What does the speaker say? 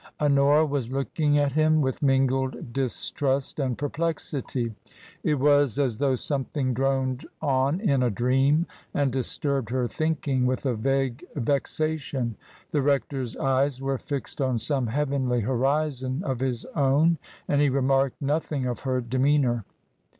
Honora was looking at him with mingled distrust and perplexity. It was as though something droned on in a dream, and disturbed her thinking with a vague vexation. The rector's eyes were fixed on some heavenly horizon of his own, and he remarked nothing of her demeanour.